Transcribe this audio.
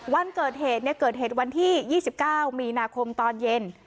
วันเกิดเหตุเนี้ยเกิดเหตุวันที่ยี่สิบเก้ามีนาคมตอนเย็น